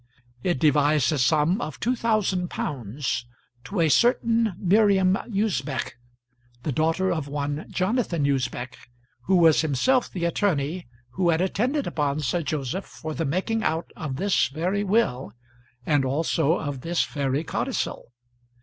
It devised a sum of two thousand pounds to a certain Miriam Usbech, the daughter of one Jonathan Usbech who was himself the attorney who had attended upon Sir Joseph for the making out of this very will, and also of this very codicil.